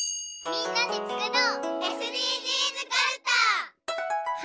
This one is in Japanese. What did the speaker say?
みんなのＳＤＧｓかるた。